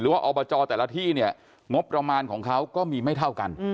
ว่าอบจแต่ละที่เนี่ยงบประมาณของเขาก็มีไม่เท่ากัน